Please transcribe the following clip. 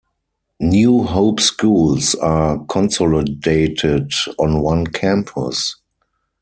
New Hope Schools are consolidated on one campus.